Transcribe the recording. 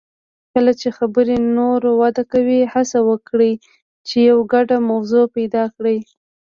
کله چې خبرې نوره وده کوي، هڅه وکړئ چې یو ګډه موضوع پیدا کړئ.